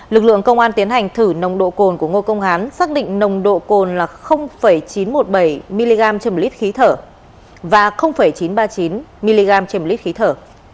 lực lượng công an tiến hành thử nồng độ cồn của ngô công hán xác định nồng độ cồn là chín trăm một mươi bảy mg trên một lít khí thở và chín trăm ba mươi chín mg trên một lít khí thở